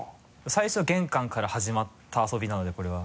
最初は玄関から始まった遊びなのでこれは。